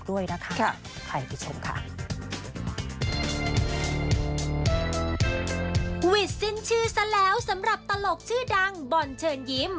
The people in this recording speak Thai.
วิจินชื่อแสลวสำหรับตลกชื่อดังบ่อนเฉินยิ่ม